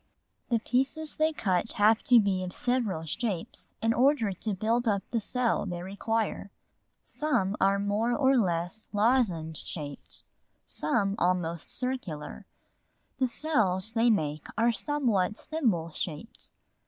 The pieces they cut have to be of several shapes in order to build up the cell they require; some are more or less lozenge shaped, some almost circular; the cells they make are somewhat thimble shaped.